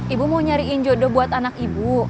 ibu mau nyariin jodoh buat anak ibu